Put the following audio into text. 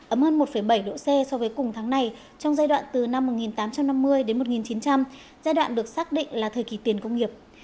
ấm hơn một bảy độ c so với cùng tháng này trong giai đoạn từ năm một nghìn tám trăm năm mươi đến một nghìn chín trăm linh giai đoạn được xác định là thời kỳ tiền công nghiệp